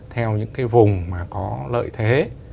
theo những cái vùng mà có lợi thế